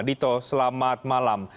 dito selamat malam